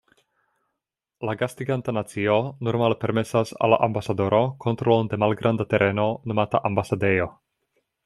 La gastiganta nacio normale permesas al la ambasadoro kontrolon de malgranda tereno nomata ambasadejo.